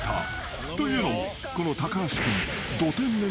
［というのもこの高橋君］